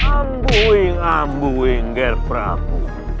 ambuing ambuing ger pradu